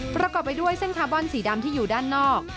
ประกอบไปด้วยเส้นคาร์บอนสีดำที่อยู่ด้านนอก